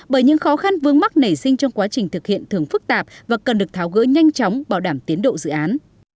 bởi những khó khăn vương mắc nảy sinh trong quá trình thực hiện thường phức tạp và cần được tháo gỡ nhanh chóng bảo đảm tiến độ dự án